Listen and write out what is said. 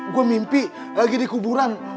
gue mimpi lagi di kuburan